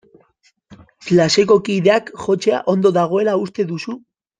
Klaseko kideak jotzea ondo dagoela uste duzu?